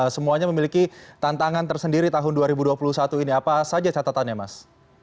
semuanya memiliki tantangan tersendiri tahun dua ribu dua puluh satu ini apa saja catatannya mas